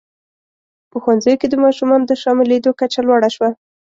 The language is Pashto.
په ښوونځیو کې د ماشومانو د شاملېدو کچه لوړه شوه.